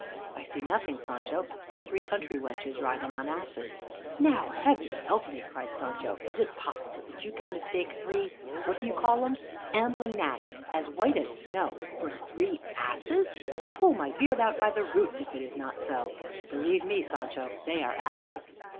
"I see nothing, Sancho, but three country wenches riding on asses." "Now Heaven help me," cried Sancho, "is it possible that you can mistake three what do you call 'ems ambling nags as white as snow, for three asses! Pull my beard out by the roots if it is not so." "Believe me, Sancho, they are asses."